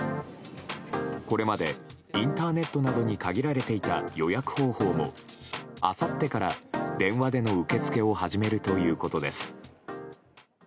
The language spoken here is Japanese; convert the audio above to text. これまでインターネットなどに限られていた予約方法もあさってから電話での受け付けを始めるということです。